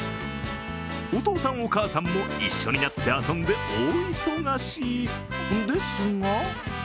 お父さん、お母さんも一緒になって遊んで大忙しですが。